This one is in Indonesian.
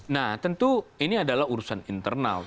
nah tentu ini adalah urusan internal